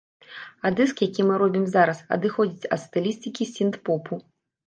А дыск, які мы робім зараз, адыходзіць ад стылістыкі сінт-попу.